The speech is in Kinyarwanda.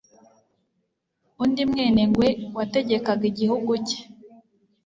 Undi Mwenengwe wategekaga igihugu cye